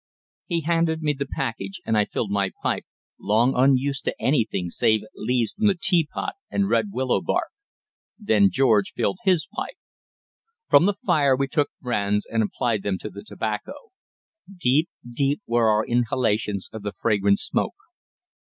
He handed me the package, and I filled my pipe, long unused to anything save leaves from the teapot and red willow bark. Then George filled his pipe. From the fire we took brands and applied them to the tobacco. Deep, deep were our inhalations of the fragrant smoke.